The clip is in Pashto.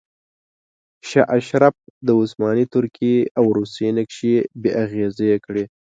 شاه اشرف د عثماني ترکیې او روسیې نقشې بې اغیزې کړې.